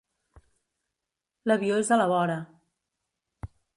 L'avió és a la vora.